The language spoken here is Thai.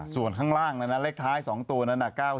ส่วนข้างล่างเลขท้ายสองตัว๙๗๐